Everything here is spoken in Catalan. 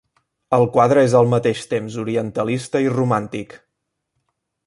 El quadre és al mateix temps orientalista i romàntic.